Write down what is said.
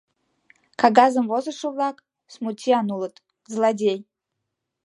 Кагазым возышо-влак смутьян улыт, злодей.